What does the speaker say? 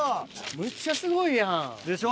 むっちゃすごいやん。でしょ？